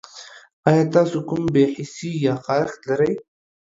ایا تاسو کوم بې حسي یا خارښت لرئ؟